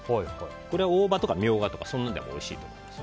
これは大葉とかミョウガでもおいしいと思います。